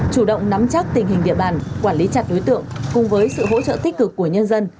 chủ động nắm chắc tình hình địa bàn quản lý chặt đối tượng cùng với sự hỗ trợ tích cực của nhân dân